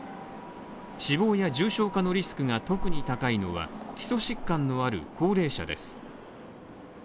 死亡や重症化のリスクが特に高いのは基礎疾患のある高齢者です。